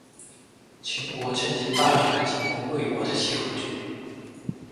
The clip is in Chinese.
秦国趁机大举的进攻魏国的西河郡。